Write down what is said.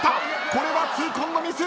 これは痛恨のミス！